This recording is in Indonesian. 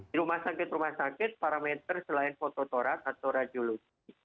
di rumah sakit rumah sakit parameter selain fototorak atau radiologi